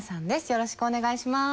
よろしくお願いします。